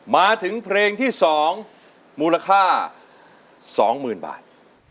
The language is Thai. มาถึงเพลงที่สองมูลค่า๒หมื่นบาท